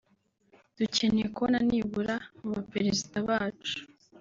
dukeneye kubona nibura mu Baperezida bacu